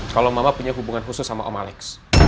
kalau mama punya hubungan khusus sama om alex